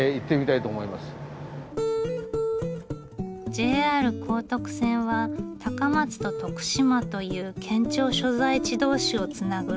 ＪＲ高徳線は高松と徳島という県庁所在地同士をつなぐ路線。